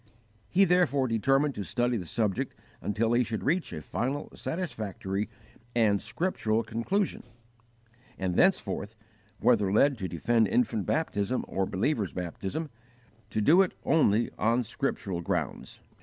He therefore determined to study the subject until he should reach a final, satisfactory, and scriptural conclusion; and thenceforth, whether led to defend infant baptism or believers' baptism, to do it only on scriptural grounds.